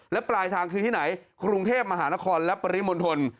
และปลายทางคือที่ไหนกรุงเทพมหานครและปริมณฑล